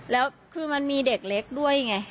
แล้วคือมันมีเด็กเล็กด้วยไง